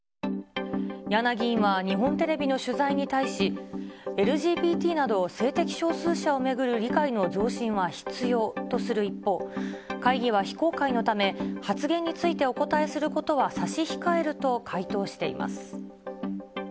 やな議員は日本テレビの取材に対し、ＬＧＢＴなど、性的少数者を巡る理解の増進は必要とする一方、会議は非公開のため、発言についてお答えすることは差し控えると回答しています。